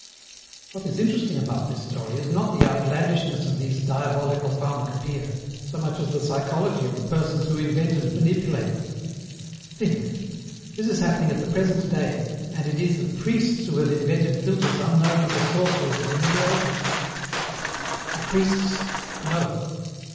"What is interesting about this story is not the outlandishness of these diabolical pharmacopoeia so much as the psychology of the persons who invent and manipulate them. Think. This is happening at the present day, and it is the priests who have invented philtres unknown to the sorcerers of the Middle Ages." "The priests, no!